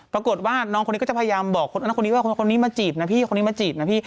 ปรากฏว่าน้องคนนี้ก็จะพยายามบอกคนนี้มาจีบนะพี่